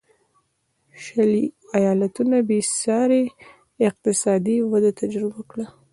شلي ایالتونو بېسارې اقتصادي وده تجربه کړه.